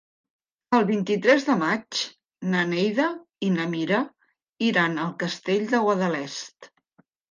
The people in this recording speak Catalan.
El vint-i-tres de maig na Neida i na Mira iran al Castell de Guadalest.